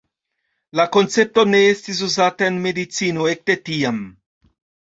La koncepto ne estis uzata en medicino ekde tiam.